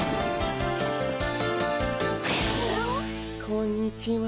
こんにちは。